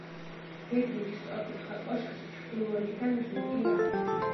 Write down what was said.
გეგმით სწორკუთხა კოშკს, ჩრდილოეთიდან ზურგი აქვს.